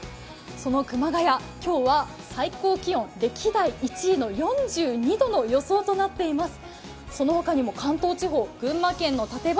その熊谷、今日は最高気温歴代１位の４２度の予想となっています。